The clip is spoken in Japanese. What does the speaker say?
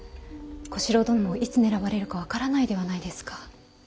小四郎殿もいつ狙われるか分からないではないですか。